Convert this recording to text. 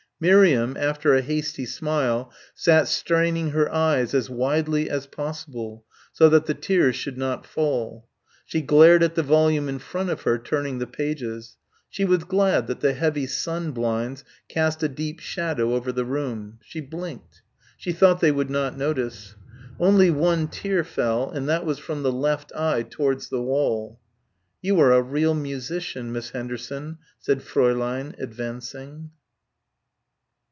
Miriam, after a hasty smile, sat straining her eyes as widely as possible, so that the tears should not fall. She glared at the volume in front of her, turning the pages. She was glad that the heavy sun blinds cast a deep shadow over the room. She blinked. She thought they would not notice. Only one tear fell and that was from the left eye, towards the wall. "You are a real musician, Miss Henderson," said Fräulein, advancing.